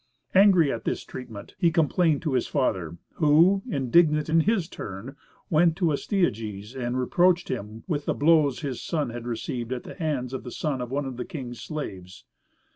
Angry at this treatment, he complained to his father, who, indignant in his turn, went to Astyages, and reproached him with the blows his son had received at the hands of the son of one of the king's slaves.